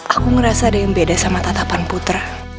aku ngerasa ada yang beda sama tatapan putra